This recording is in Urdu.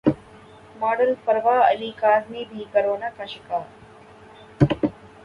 ماڈل فروا علی کاظمی بھی کورونا کا شکار